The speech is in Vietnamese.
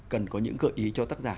cần có những gợi ý cho tác giả